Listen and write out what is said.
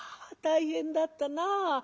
「あ大変だったなあ。